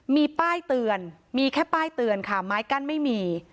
มีแค่ป้ายเตือนค่ะไม้กั้นไม่มี